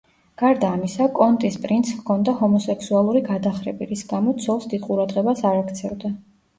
გარდა ამისა, კონტის პრინცს ჰქონდა ჰომოსექსუალური გადახრები, რის გამოც ცოლს დიდ ყურადღებას არ აქცევდა.